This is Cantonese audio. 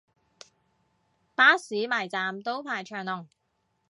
巴士埋站都排長龍